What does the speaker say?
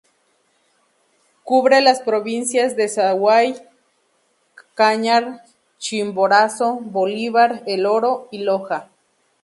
Cubre las provincias de Azuay, Cañar, Chimborazo, Bolívar, El Oro, y Loja.